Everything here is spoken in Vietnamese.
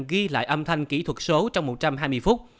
ghi lại âm thanh kỹ thuật số trong một trăm hai mươi phút